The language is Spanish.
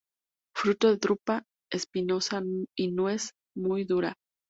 Fruto drupa espinosa y nuez muy dura.